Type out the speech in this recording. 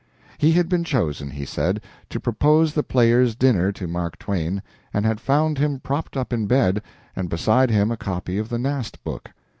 He had been chosen, he said, to propose the Players' dinner to Mark Twain, and had found him propped up in bed, and beside him a copy of the Nast book.